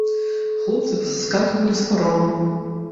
Хлопцы пасаскаквалі з парома.